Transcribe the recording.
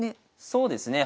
そうですね。